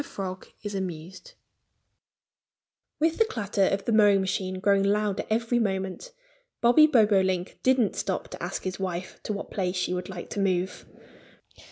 FROG IS AMUSED WITH the clatter of the mowing machine growing louder every moment, Bobby Bobolink didn't stop to ask his wife to what place she would like to move.